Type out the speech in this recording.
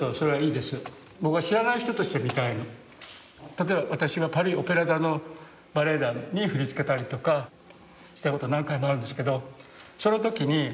例えば私はパリ・オペラ座のバレエ団に振り付けたりとかしたこと何回もあるんですけどその時にみんなに言うんです